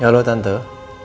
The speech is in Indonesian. cara dalam perjalanan lintang